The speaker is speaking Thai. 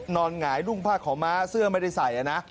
นอนหงายรุ่นผ้าของม้าเสื้อไม่ได้ใส่